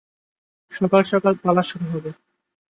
সকাল সকাল পালা শুরু হবে।